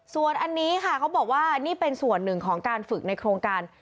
ส่วนอันนี้ค่ะเขาบอกว่านี่เป็นส่วนหนึ่งของการฝึกในโครงการ